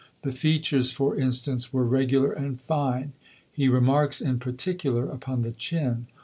The features, for instance, were regular and fine. He remarks in particular upon the chin.